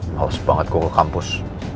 males banget gue ke kampus